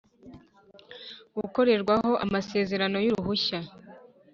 Gukorerwaho amasezerano y uruhushya